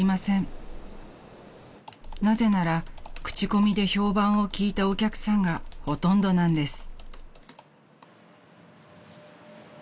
［なぜなら口コミで評判を聞いたお客さんがほとんどなんです］